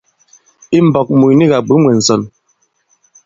I mbɔ̄k mùt nik à bwě mwē ǹsɔn.